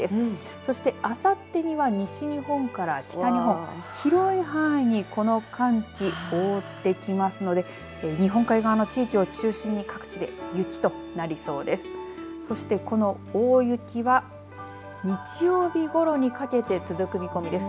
そしてあさってには西日本から北日本広い範囲にこの寒気覆ってきますので日本海側の地域を中心に各地で雪となりそうです。